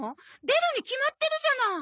出るに決まってるじゃない。